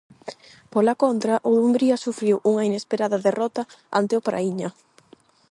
Pola contra, o Dumbría sufriu unha inesperada derrota ante o Praíña.